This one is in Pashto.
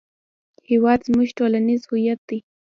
هېواد زموږ ټولنیز هویت دی